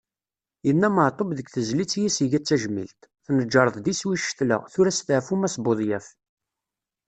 Yenna Meɛtub deg tezlit i as-iga d tajmilt: Tneǧreḍ-d iswi i ccetla, tura steɛfu Mass Budyaf.